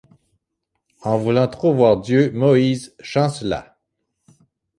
En voulant trop voir Dieu, Moïse chancela ;